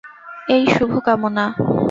এই শুভ কামনা।